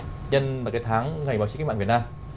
nhân vào cái tháng ngày báo chí kinh tạng việt nam